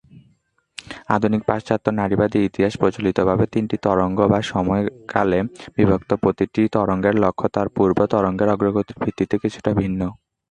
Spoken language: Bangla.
আধুনিক পাশ্চাত্য নারীবাদী ইতিহাস প্রচলিতভাবে তিনটি "তরঙ্গ" বা সময়কালে বিভক্ত, প্রতিটি তরঙ্গের লক্ষ্য তার পূর্ব তরঙ্গের অগ্রগতির ভিত্তিতে কিছুটা ভিন্ন।